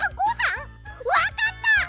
わかった！